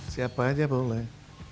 siapa aja boleh